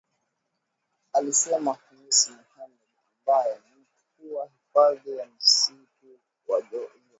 Alisema Khamis Mohamed ambae ni mkuu wa hifadhi ya msitu wa Jozani